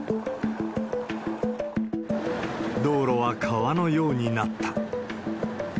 道路は川のようになった。